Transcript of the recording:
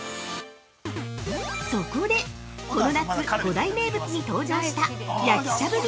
そこで、この夏五大名物に登場した焼きしゃぶみ